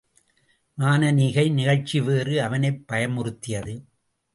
மானனீகை நிகழ்ச்சி வேறு அவனைப் பயமுறுத்தியது.